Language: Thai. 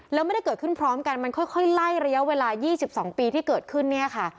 แล้วไม่ได้เกิดขึ้นพร้อมกันมันค่อยไล่ระยะเวลา๒๒ปีที่เกิดขึ้นเนี่ยค่ะ